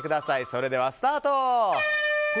それではスタート！